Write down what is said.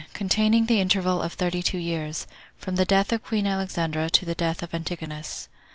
Containing The Interval Of Thirty Two Years.From The Death Of Queen Alexandra To The Death Of Antigonus.